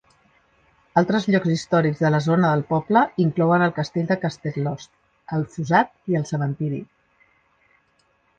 Altres llocs històrics de la zona del poble inclouen el castell de Castlelost, el fossat i el cementiri.